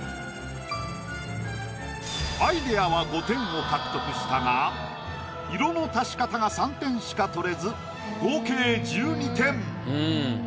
アイディアは５点を獲得したが色の足し方が３点しかとれず合計１２点。